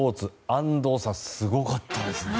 安藤さん、すごかったですね。